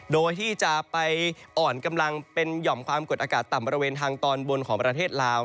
โดยที่จะไปอ่อนกำลังเป็นหย่อมความกดอากาศต่ำบริเวณทางตอนบนของประเทศลาว